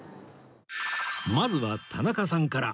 まずは田中さんから